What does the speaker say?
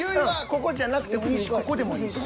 ここじゃなくてもいいしここでもいいし。